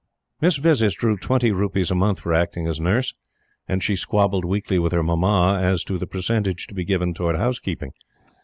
Miss Vezzis drew twenty rupees a month for acting as nurse, and she squabbled weekly with her Mamma as to the percentage to be given towards housekeeping.